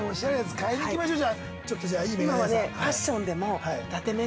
買いに行きましょう、じゃあ。